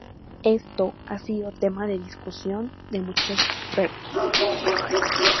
Esto ha sido tema de discusión de muchos expertos.